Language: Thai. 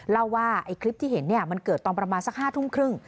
เล่าว่าคลิปที่เห็นมันเกิดตอนประมาณสัก๕ทุ่มครึ่ง